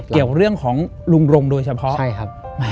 เกี่ยวเรื่องของรุงรงค์โดยเฉพาะ